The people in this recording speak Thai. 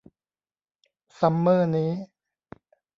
ซัมเมอร์นี้